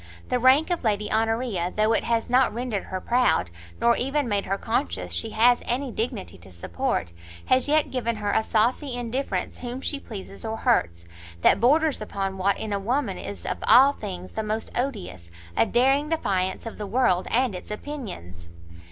The rank of Lady Honoria, though it has not rendered her proud, nor even made her conscious she has any dignity to support, has yet given her a saucy indifference whom she pleases or hurts, that borders upon what in a woman is of all things the most odious, a daring defiance of the world and its opinions."